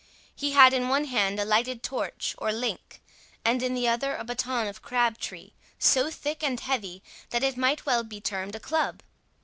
He had in one hand a lighted torch, or link, and in the other a baton of crab tree, so thick and heavy, that it might well be termed a club.